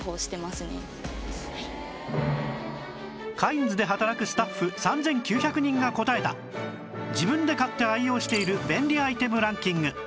カインズで働くスタッフ３９００人が答えた自分で買って愛用している便利アイテムランキング